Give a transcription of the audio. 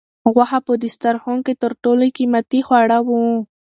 غوښه په دسترخوان کې تر ټولو قیمتي خواړه وو.